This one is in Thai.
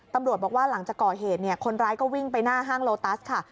ตำรวจบอกว่าหลังจากก่อเหตุคนร้ายก็วิ่งไปหน้าห้างโลตัสค่ะ